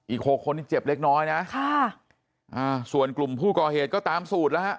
หกคนที่เจ็บเล็กน้อยนะค่ะอ่าส่วนกลุ่มผู้ก่อเหตุก็ตามสูตรแล้วฮะ